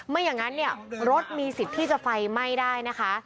ไม่อย่างนั้นเนี่ยรถมีสิทธิ์ที่จะไฟไหม้ได้นะคะ